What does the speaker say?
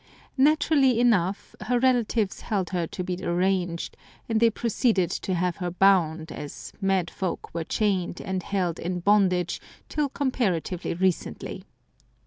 Naturally enough her relatives held her to be deranged ; and they proceeded to have her bound, as mad folk were chained and held in bondage till comparatively recently.